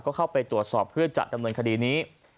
ก็เข้าไปตรวจสอบเพื่อจะดำเนินคดีนี้